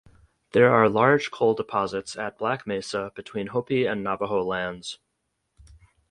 There are large coal deposits at Black Mesa between Hopi and Navajo lands.